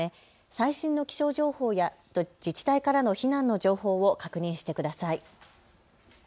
最新の気象情報や自治体からの避難の情報を確認してください。